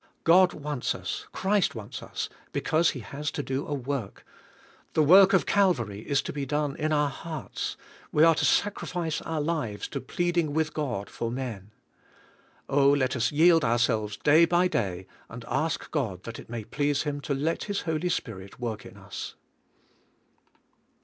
God wants us, Christ wants us, because He has to do a work ; the work of Calvary is to be done in our hearts, we are to sacrifice our lives to pleading with God for men. Oh, let us yield our selves day by .day and ask God that it may please Him to let His Holy Spirit work in us.